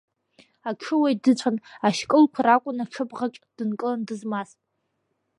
Аҽуаҩ дыцәан, ашькылқәа ракәын аҽыбӷаҿ дынкыланы дызмаз.